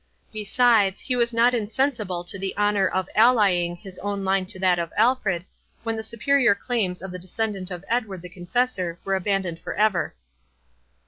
Besides, he was not insensible to the honour of allying his own line to that of Alfred, when the superior claims of the descendant of Edward the Confessor were abandoned for ever.